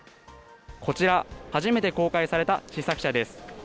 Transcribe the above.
こちら、初めて公開された試作車です。